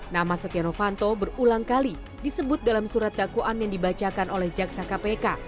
nama setianofanto berulang kali disebut dalam surat dakuan yang dibacakan oleh jaksa kpk